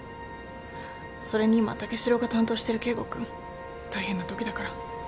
それに今武四郎が担当してる圭吾君大変なときだから。